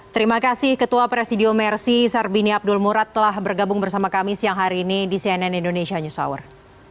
terima kasih ketua presidio mercy sarbini abdul murad telah bergabung bersama kami siang hari ini di cnn indonesia news hour